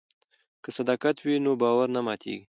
که صداقت وي نو باور نه ماتیږي.